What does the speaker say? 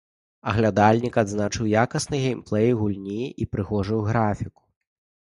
Аглядальнік адзначыў якасны геймплэй гульні і прыгожую графіку.